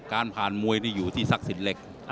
การผ่านมวยอยู่ที่ศักดิ์สินเหล็ก